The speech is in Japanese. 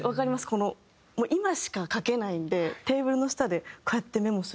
この今しか書けないんでテーブルの下でこうやってメモするのとか。